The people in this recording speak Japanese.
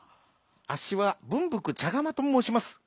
「あっしはぶんぶくちゃがまともうします。